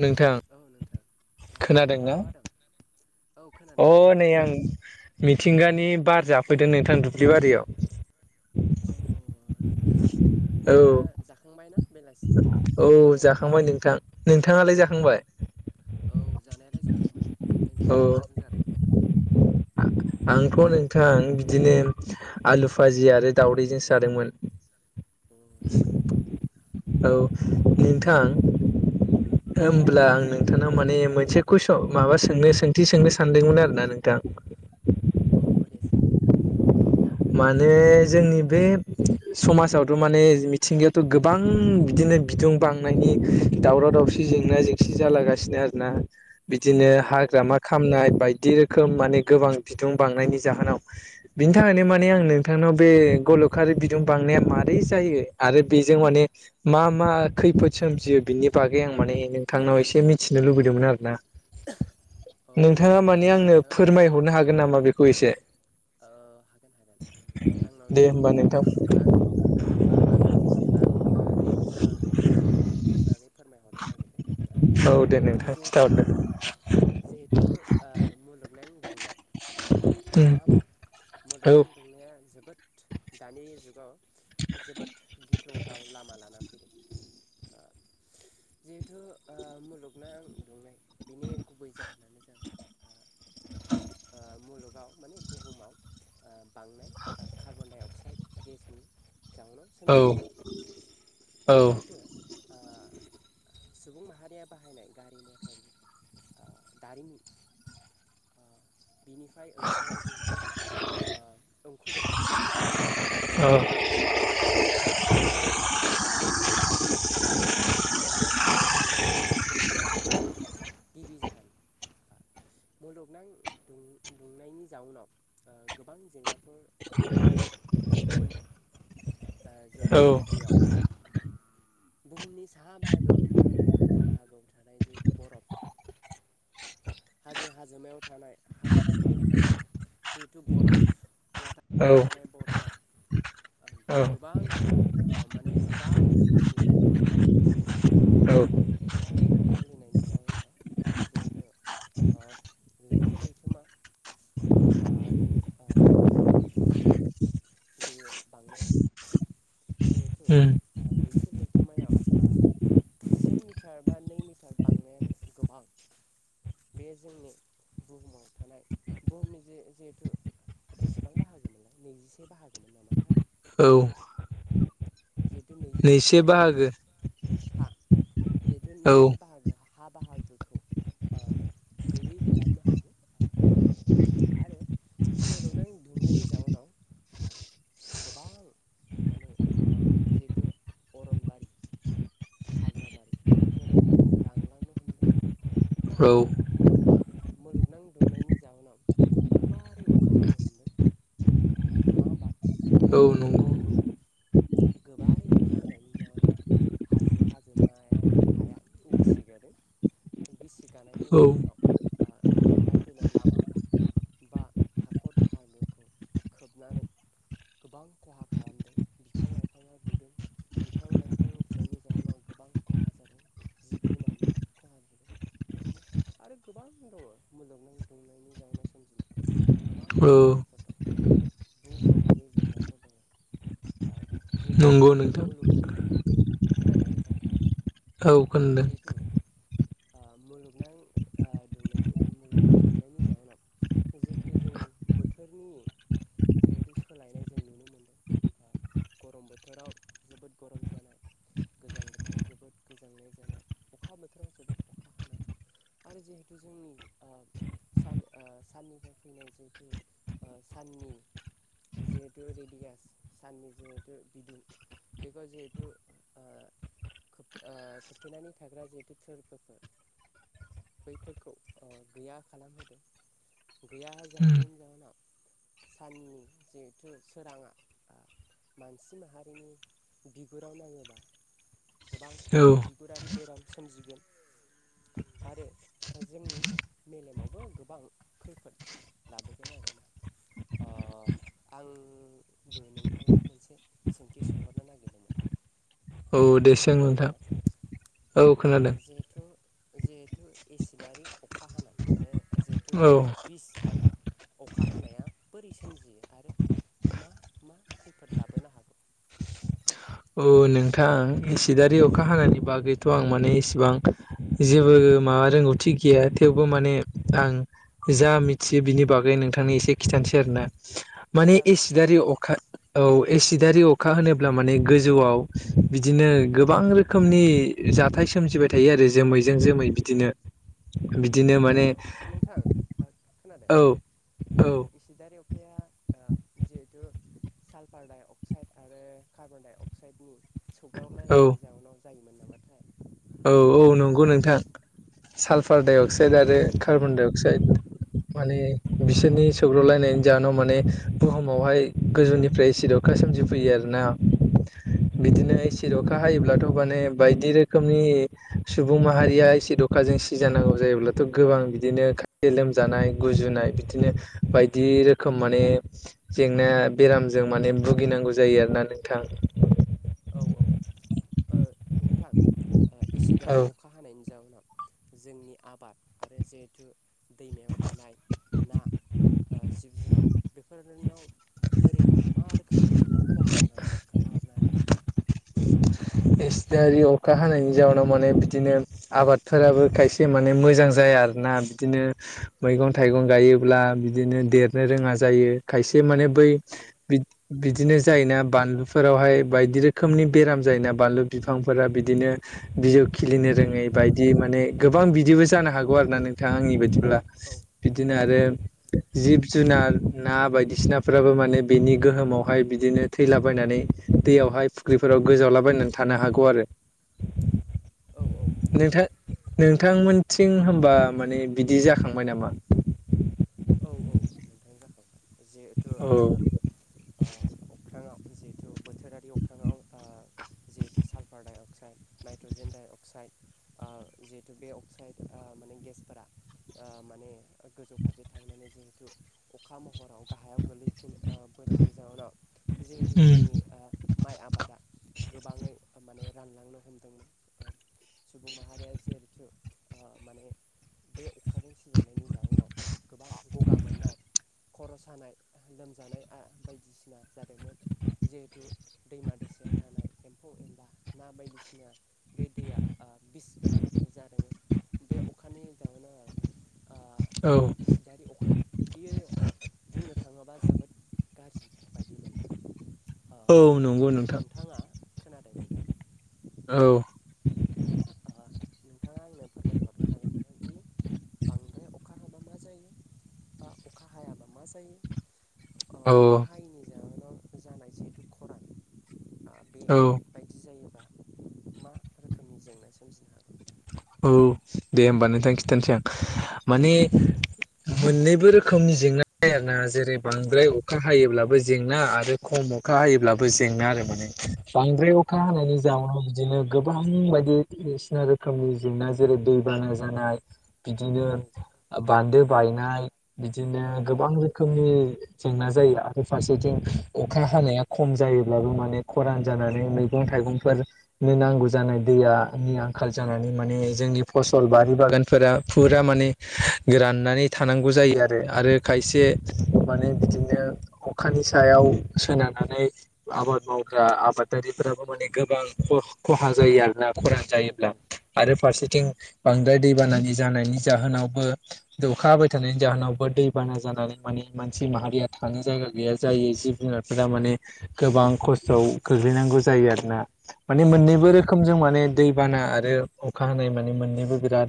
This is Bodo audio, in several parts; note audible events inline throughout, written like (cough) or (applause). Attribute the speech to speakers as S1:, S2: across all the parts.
S1: नोंथां खोनादोंना
S2: (inaudible)
S1: अ नै आं मिथिंगा नि बार जाफैदों नोंथां दुब्लि बारियाव
S2: अ
S1: औ
S2: नोंथाङा जाखांबाय ना? बेलासिनि
S1: औ
S2: जानायखौ
S1: जाखांबाय। नोंथां नोंथाङालाय जाखांबाय?
S2: औ जानायालाय जाखांबायमोन
S1: औ
S2: नोंथाङालाय माजों जादों?
S1: आंथ' नोंथां बिदिनो आलु फाजि आरो दाउदै जोंसो जादोंमोन
S2: अ जोबोद गोथाव
S1: ओ नोंथां
S2: औ
S1: ओमब्ला आं नोंथांनाव माने मोनसे कुइसन माबा सोंनो सोंथि सोंनो सानदोंमोन आरोना नोंथां
S2: अ दे सों दे
S1: माने जोंनि बे समाजावथ' माने मिथिंगायावथ' गोबां बिदिनो नो बिदुं बांनायनि दावराव दावसि जेंना जेंसि जालागासिनो आरोना बिदिनो
S2: औ औ औ
S1: हाग्रामा खामनाय बाय बदि रोखोम माने गोबां बिदुं बांनायनि जाहोनाव बिनि थाखायनो मा ने आं नोंथांनाव बे गलखारि बिदुं बांनाया माबारै जायो आरो बेजों माने मा मा खैफोद सोमजियो बिनि बागै आं माने नोंथांनाव एसे मिथिनो लुबैदोंमोन आरो ना।
S2: अ
S1: नोंथाङा माने
S2: नोंथां
S1: आंनो
S2: नोंथाङा
S1: फोरमायहरनो हागोन नामा? बेखौ एसे
S2: ओ आंनाव
S1: दे
S2: जे
S1: होमबा नोंथां
S2: जेसेबां ओ आंनाव जेसे बां ओ रोंगौथि दं आं बेखौ बिनि बागै
S1: औ दे
S2: (unintelligible)
S1: नोंथां
S2: जिहेथु
S1: खिथाहरदो
S2: जिहेतु ओ मुलुगनां दुंनाय नङा होमबा
S1: (unintelligible)
S2: मुलुगनां
S1: औ
S2: दुंनाया जोबोद दानि जुगाव जोबोद गिख्रंथाव लामा लाना फैदों जिहेथु ओ मुलुगनां दुंनाय बिनि गुबै जाहोनानो ओ मुलगाव माने बुहुमाव ओ बांनाय कार्बन डाइ अक्साइड गेसनि जाउनाव सोमजिदो
S1: औ औ
S2: जिहेथु आ सुबुं माहारिया बाहायनाय गारि मथर ओ दारिमि बिनिफ्राय ओंखारनाय जिहेथु ओ उंखुदै
S1: औ
S2: उखुदैयाव जिहेतु थानाय ओ कार्बनडाइ अक्साइड गेस जाय ओ मुलुगना दुंनायनि जाहोन बिद बि जाहोन आ मुलुगनां दुं-दुंनायनि जाउनाव ओ गोबां जेंनाफोर ओ
S1: (inaudible)
S2: आ जेरै
S1: औ
S2: गिबियाव बुहुमनि साहा बाहागोआव थानाय आरो खोला बाहागो (unintelligible) थानाय जेथु बरफ हाजो हाजोमायाव थानाय हाजो थिखिनियाव थानाय जिहेथु बर'फ लाथा
S1: औ
S2: खानै थानाय बर'फआ ओ
S1: औ
S2: गोबां ओ माने गोबारै आलिनो हमदों। गोबारै आवलिनायनि जाउनाव जिहेथु ओ लैथो लैथोमा आं नि जिहेथु दै बेयो बांनो हम जिहेथु
S1: उम
S2: ओ लैथो लैथोमायाव ओ से मिटार बा नै मिटार बांनायानो गोबां बे जोंनि बुहुमाव थानाय बुहुमनि जे‌-जेहेथु बेसेबां बाहागोमोनलाय नैजिसे बाहागोमोन नामाथाय।
S1: औ
S2: जिहेथु नैजिसे बाहागो हा। जिहेथु
S1: औ
S2: नैजिसे बाहागो हा बाहागोखौ ओ गैयै खालामनो हायगोन। आ आरो मुलुगनां दुंनायनि जाउनाव गोबां माने ओ जिहेथु अरनबारि हाग्राबारि बेफोरो रांलांनो हमदों। बा
S1: औ
S2: मुलुगनांदों मुलुगनां दुंनायनि जाउनाव गोबारै अखा हानो हमदों। नङा‌ होमबा ओ
S1: औ
S2: गु
S1: नंगौ
S2: गोबारै अखा हानायनि जाउनाव हाजो हाजोमायानि हाया गिसिगादों गिसि गानायनि जउनाव
S1: औ
S2: ओ थांलाय फैलाय लामा बा हाखर बाहागोखौ खोबनानै गोबां खहा खालामदों बिफां लाइ फाङा गुदों बिफां लाइफां गुनायनि जउनाव गोबां खहा जादों जिब जुनाथनि खहा बिदिनो आरो गोबां दङ मुलुगनां दुंनायनि जावनाव सोमजिनाय। गोबां
S1: औ
S2: जेंनाफोर दं बुंस' हायै जेंनाफोर दङ ओ जिहेथु
S1: नंगौ नोंथां
S2: मुलुगनां खोनादों नों?
S1: औ खोन्दों।
S2: आ मुलुगनां आ दुंनायनि मुलुगनां दुंनायनि जाहोनाव जिहेथु जोंनि बोथोरनि जिहेथु सोलायनाय जों नुनो मोनदों। गरम बोथोराव जोबोद गरम जानाय गोजां बोथोराव जोबोद गोजांनाय जानाय अखा बोथोराव जोबोथ अखा हानाय आरो जिहेथु जोंनि ओ सान ओ साननिफ्राय फैनाय जिहेथु ओ साननि जिहेथु रेडियास साननि जिहेथु बिदुं बेफा जिहेथु ओ खो ओ खोबथेनानै थाग्रा जिहेथु थोरफोफोर बैफोरखौ ओ गैया खालाम होदों। गैया हा
S1: उम
S2: जाहोनायनि‌ जाहोनाव साननि जिहेथु सोराङा मानसि माहारिनि बिगुराव नाङोबा गोबां
S1: औ
S2: बिगुरारि बेराम सोमजिगोन। आरो जोंनि मेलेमावबो गोबां खैफोद लाबोगोन आरोना। ओ आंबो नोंथांनाव मोनसे सोंथि सोंहरनो नागिरदोंमोन। (inaudible)
S1: औ दे सों नोंथा।
S2: आ जिहेथु जिहेथु एसिदआरि अखा हानाय माने जिहेथु
S1: औ
S2: बिस आरि अखा हानाया बोरै सोमजियो आरो मा मा खैफोद लाबोनो हागौ?
S1: औ नोंथां एसिदारि अखा हानायनि बागैथ' आं माने इसेबां जेबो माबा रोंगौथि गैया थेवबो माने आं जा मिथियो बिनि बागै नोंथांनो एसे खिथानिसै आरोना। माने
S2: जागोन दे
S1: एसिदारि
S2: जागोन
S1: अखा औ एसिदारि अखा होनोब्ला माने गोजौआव बिदिनो गोबां रोखोमनि जाथाय सोमजिबाय थायो आरो जोमैजों जोमै बिदिनो बिदिनो
S2: अ
S1: माने
S2: नोंथां ओ खोनादों
S1: औ
S2: आ
S1: औ
S2: एसिदारि अ खाया ओ जिहेथु साल्फार डाइ अक्साइड आरो कार्बन डाइ अक्साइडनि
S1: औ
S2: सौग्रावलायनायनि जाउनाव जायोमोन नामाथाय
S1: औ औ नंगौ नोंथां साल्फार डाइ अक्साइड आरो कार्बन डाइ अक्साइद माने बिसोरनि सौग्रावलायनायनि जाहोनाव माने बुहुमावहाय गोजौनिफ्राय एसिद अखा सोमजिफैयो आरोना बिदिनो
S2: औ
S1: एसिद अखा हायोब्लाथ' माने बायदि रो खोमनि सुबुं माहारिया एसिद अखाजों सिजानांगौ जायोब्लाथ' गोबां बिदिनो खा लोम जानाय गुजुनाय बिदिनो बायदि रोखोम माने जेंना बेरामजों माने भुगिनांगौ जायो आरोना नोंथां।
S2: औ औ ओ नोंथां ओ एसिदआरि
S1: औ
S2: अखा हानायनि जाउनाव जोंनि आबाद आरो जिहेथु दैमायाव थानाय ना ओ जिब जुनार बेफोरोनाव बोरै मा रोखोमै ख-हा खालामगोन खोन्थाहरनो हागोन नामा?
S1: (inaudible) एसिदारि अखा हानायनि जाउनाव माने बिदिनो आबादफोराबो खायसे माने मोजां जा जाया आरोना बिदिनो मैगं थाइगं गायोब्ला बिदिनो देरनो रोङा जायो। खायसे माने
S2: औ
S1: बै
S2: औ
S1: बिद-बिदिनो जायोना बानलुफोरावहाय बायदि रो खोमनि बेराम जायोना बानलु बिफांफोरा बिदिनो बिजौ खिलिनो
S2: औ
S1: रोङै बायदि माने गोबां बिदिबो जानो हागौ आरो ना नोंथां आंनि बायदिब्ला
S2: औ
S1: बिदिनो
S2: औ
S1: आरो जिब जुनार ना बायदिसिनाफ्राबो माने बेनि गोहोमावहाय बिदिनो थैलाबायनानै दैयावहाय ख्रिफोराव गोजावलाबायनान थानो हागौ आरो
S2: औ
S1: नोंथां नोंथांमोनथिं होमबा माने बिदि जाखांबाय नामा?
S2: औ औ नोंथां जाखांबाय जिहेथु
S1: औ
S2: ओ अ अख्राङाव जिहेथु बोथोरारि अख्राङाव ओ जिहेतु सालफार डाइ अक्साइड नाइट्रजेन डाइ अक्साइड आ जिहेतु बे अक्साइड आ ओ माने गेसफोरा आ माने गोजौ फारसे थांनानै जिहेथु अखा महराव गाहायाव गोलैफिन ओ बोनायनि जाउनाव जिहेतु जोंनि ओ माइ आबादा गोबाङै ओ माने रानलांनो हमदोंमोन ओ सुबुं माहारिया जिहेथु ओ माने बे अखाजों सिजायनायनि जउनाव गोबां गगा मोननाय खर' सा सानाय लोमजानाय आ बायदिसिना जादोंमोन जिहेथु दैमा दैसायाव थानाय एम्फौ एनला ना बायदिसिना बे दैया ओ बिस गोनां जादोंमोन। बे अखानि जाहुनावआ ओ
S1: औ
S2: जिहेथु इसिदारि अखा बियो बुंनो थाङोबा जोबोद गाज्रि बायदि मोनदों। ओ
S1: औ नंगौ नोंथां।
S2: नोंथाङा खोनादों नोंथां
S1: औ
S2: अह नोंथाङा आंनो फोरमायहरनो हागोननामादि बांद्राय अखा हाबा मा जायो बा अखा हायाबा मा जायो ओ
S1: औ
S2: अखा (unintelligible)
S1: औ
S2: बायदि जायोबा मा रोखोमनि जेंना सोमजिनो हागोन
S1: औ दे होमबा नोंथां खिथानसै आं माने मोननैबो रोखोमनि जेंना आरोना जेरै बांद्राय अखा हायोब्लाबो जेंना आरो खम अखा हायोब्लाबो जेंना आरो माने बांद्राय अखा
S2: हागौ
S1: हानायनि जाउनाव बिदिनो गोबां बायदि बायदिसिना रोखोम रोखोमनि जेंना जेरै दैबाना जानाय
S2: औ
S1: बिदिनो बान्दो बायनाय बिदिनो
S2: औ
S1: गोबां रोखोमनि जेंना जायो आरो फारसेथिं अखा हानाया खम जायोब्लाबो माने खरान जानानै मैगं मैगं थाइगंफोरनो नांगौ जानाय दैया खमिलांओ आंखाल जानानै माने जोंनि फसल बारि बागानफोरा फुरा माने गोराननानै थानांगौ जा जायो आरो आरो खायसे माने बिदिनो अखानि सायाव सोनारनानै आबाद मावग्रा आबादारि फोराबो माने गोबां ख खहा जायो आरोना खरान
S2: औ
S1: जायोब्ला आरो फारसेथिं बांद्राय दैबानानि जानायनि जाहोनावबो अखा हाबाय थानायनि जाहोनावबो दैबाना जानानै माने मानसि माहारिया थानो जायगा गैया जायो जिब जुनारफोरा माने गोबां खस्थआव गोग्लैनानै नांगौ जायो आरोना
S2: औ
S1: माने मोननैबो रोखोमजों माने बाना आरो अखा हानाय माने मोननैबो बिराद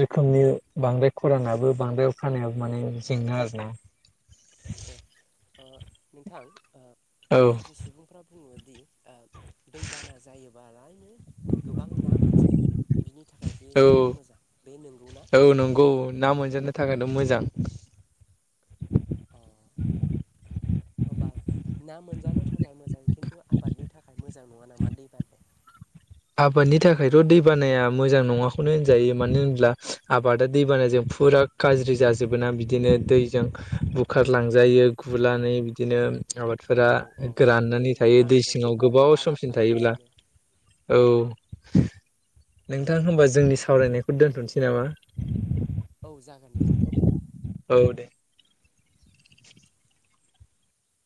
S1: रोखोमनि बांद्राय खरानाबो बांद्राय अखानायाबो माने जेंना आरो ना
S2: औ औ नोंथां
S1: औ
S2: माखासे सुबुंफ्रा बुङोदि ओ दैबाना जायोबालायनो गोबां ना मोनजायो बिनि थाखाय बे
S1: औ
S2: जोबोद मोजां बे नोंगौना
S1: औ नंगौ नाम थाखायथ मोजां
S2: होम्बा ना मोनजानो थाखाय मोजां खिन्थु आबादनि थाखाय मोजां नङा नामा दैबानाया (unintelligible)
S1: आबादनि थाखायथ दैबानाया मोजां नङाखौनो होनजायो मानो होनब्ला आबादा दैबानाजों फुरा गाज्रि जाजोबो ना बिदिनो दैजों बुखारलांजायो गुनानै बिदिनो आबादफोरा
S2: औ औ दै
S1: गोराननानै थायो दै
S2: दैबानाजों
S1: सिङाव
S2: फैफानाय
S1: गोबाव समसिम
S2: बालाफ्रा
S1: थायोब्ला
S2: खोबसिनो
S1: औ नोंथां होमबा
S2: औ औ
S1: जोंनि
S2: बिदि
S1: सावरायनायखौ दोनथनोसै नामा
S2: औ जागोन दे जागोन
S1: औ दे